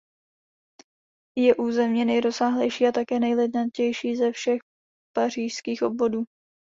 Je územně nejrozsáhlejší a také nejlidnatější ze všech pařížských obvodů.